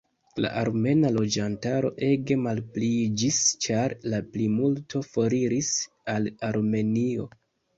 La armena loĝantaro ege malpliiĝis ĉar la plimulto foriris al Armenio.